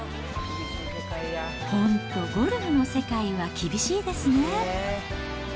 本当、ゴルフの世界は厳しいですね。